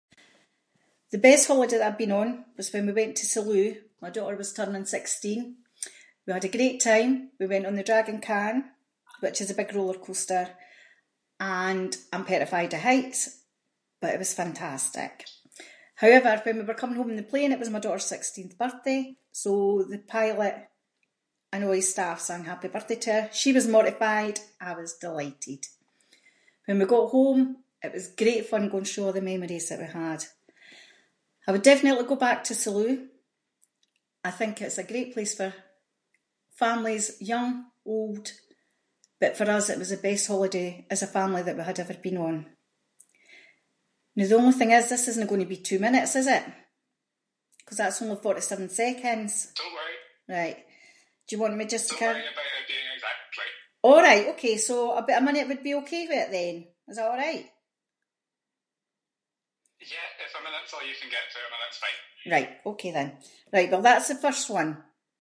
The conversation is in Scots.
The best holiday that I’ve been on was when we went to Salou, my daughter was turning sixteen, we had a great time, we went on the Dragon Kahn, which is a big roller coaster, and I’m petrified of heights, but it was fantastic. However, when we were coming home in the plane, it was my daughter’s sixteenth birthday, so the pilot and a’ his staff sang happy birthday to her, she was mortified, I was delighted. When we got home, it was great fun going through all the memories that we had, I would definitely go back to Salou. I think it’s a great place for families young, old, but for us it was the best holiday, as a family that we had ever been on. Now the only thing is this isn’t going to be two minutes is it? ‘cause that’s only fourty-seven seconds. [inc] Right, do you want me just to- [inc] Oh right, ok, so about a minute would be ok with it then? Is that a’right? [inc] Right, ok, then, right well that’s the first one.